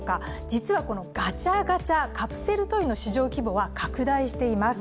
実はガチャガチャ、カプセルトイの市場規模は拡大しています。